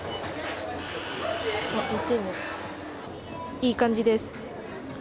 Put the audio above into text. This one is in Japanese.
いい感じです。